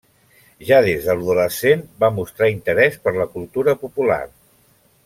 Ja des d'adolescent va mostrar interès per la cultura popular.